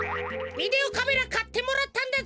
ビデオカメラかってもらったんだぜ。